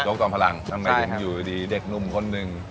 โจ๊กจอมพลังนำมาอยู่ดีเด็กนุ่มคนหนึ่ง